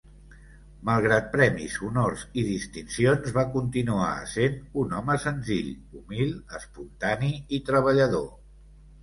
Malgrat premis, honors i distincions, va continuar essent un home senzill, humil, espontani i treballador.